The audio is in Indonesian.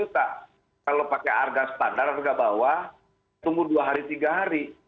kalau pakai harga standar harga bawah tunggu dua hari tiga hari